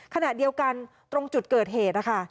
ขณะเดียวกันตรงจุดเกิดเหตุนะคะ